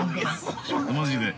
◆マジで。